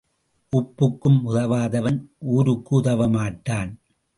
உப்புக்கும் உதவாதவன் ஊருக்கு உதவமாட்டான்.